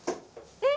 えっ？